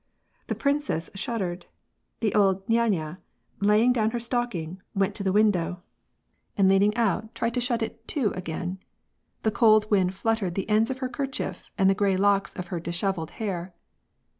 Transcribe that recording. The princess shuddered. The old nyanya, laying down her stocking, went to the window, and leaning WAR AND PEACE. S9 out, tried to shut it to again. The cold wind fluttered the ends, of her kerchief and the gray locks o^ her dishevelled hair.